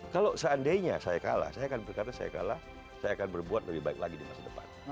kalau seandainya saya kalah saya akan berkata saya kalah saya akan berbuat lebih baik lagi di masa depan